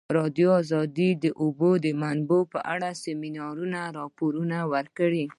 ازادي راډیو د د اوبو منابع په اړه د سیمینارونو راپورونه ورکړي.